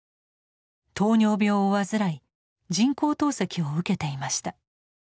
糖尿病を患い人工透析を受けていました。